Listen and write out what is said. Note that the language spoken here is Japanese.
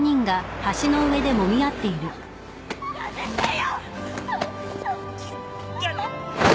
やめてよ！